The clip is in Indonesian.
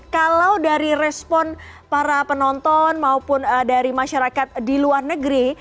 kalau dari respon para penonton maupun dari masyarakat di luar negeri